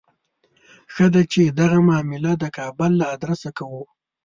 ښه ده چې دغه معامله د کابل له آدرسه کوو.